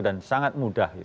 dan sangat mudah